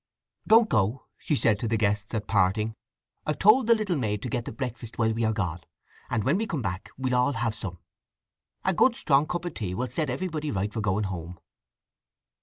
"Don't go," she said to the guests at parting. "I've told the little maid to get the breakfast while we are gone; and when we come back we'll all have some. A good strong cup of tea will set everybody right for going home."